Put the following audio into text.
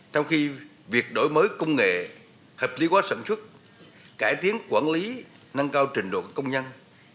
trong khi việc đổi mới công nghệ hợp lý quá sản xuất cải tiến quản lý nâng cao trình độ công nhân